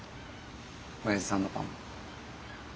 おやじさんのパンも。